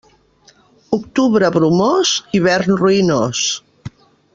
Octubre bromós, hivern ruïnós.